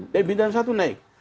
dari bintang satu naik